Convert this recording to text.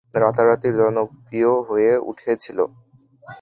রাতারাতি জনপ্রিয় হয়ে উঠেছিল।